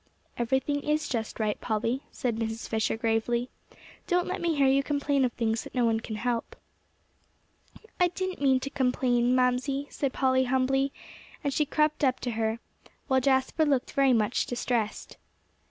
"Everything is just right, Polly," said Mrs. Fisher gravely; "don't let me hear you complain of things that no one can help." "I didn't mean to complain, Mamsie," said Polly humbly; and she crept up to her, while Jasper looked very much distressed.